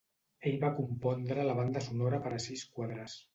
Ell va compondre la banda sonora per a sis quadres.